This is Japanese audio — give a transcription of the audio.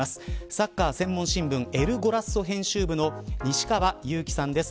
サッカー専門新聞エル・ゴラッソ編集部の西川結城さんです。